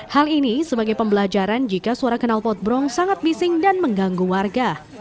hal ini sebagai pembelajaran jika suara kenal potbrong sangat bising dan mengganggu warga